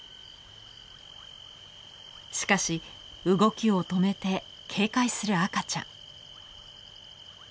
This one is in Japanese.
しかし動きを止めて警戒する赤ちゃん。